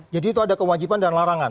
jadi itu ada kewajipan dan larangan